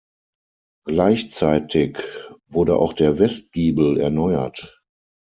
Gleichzeitig wurde auch der Westgiebel erneuert.